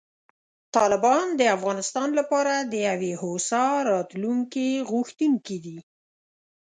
طالبان د افغانانو لپاره د یوې هوسا راتلونکې غوښتونکي دي.